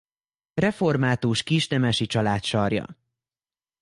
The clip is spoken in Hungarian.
Református kisnemesi család sarja.